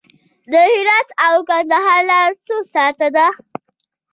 د هرات او کندهار لاره څو ساعته ده؟